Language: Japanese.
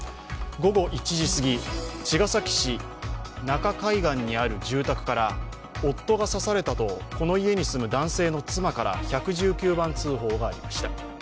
午後１時すぎ、茅ヶ崎市中海岸にある住宅から夫が刺されたとこの家に住む男性の妻から１１９番通報がありました。